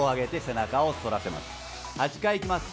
８回いきます